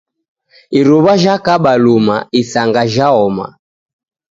Iruwa jhakaba luma, isanga jhaoma.